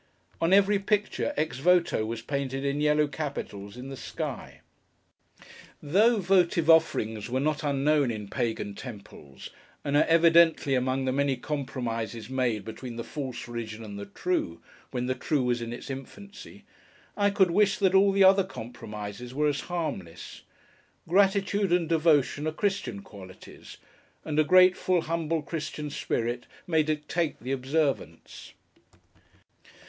On every picture 'Ex voto' was painted in yellow capitals in the sky. Though votive offerings were not unknown in Pagan Temples, and are evidently among the many compromises made between the false religion and the true, when the true was in its infancy, I could wish that all the other compromises were as harmless. Gratitude and Devotion are Christian qualities; and a grateful, humble, Christian spirit may dictate the observance.